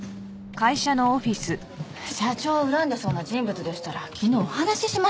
社長を恨んでそうな人物でしたら昨日お話ししました。